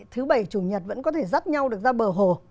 thứ bảy chủ nhật vẫn có thể dắt nhau được ra bờ hồ